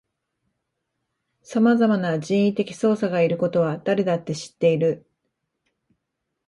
さまざまな人為的操作がいることは誰だって知っている